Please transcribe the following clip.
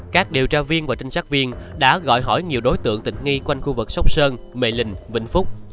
các điều tra viên và tranh chấp quyền đã gọi hỏi nhiều đối tượng tình nghi quanh khu vực sóc sơn mệ linh vĩnh phúc